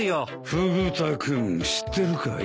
フグ田君知ってるかい？